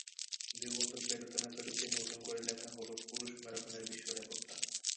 দুই বছর পেরোতে না-পেরোতেই নতুন করে লেখা হলো পুরুষ ম্যারাথনের বিশ্ব রেকর্ডটা।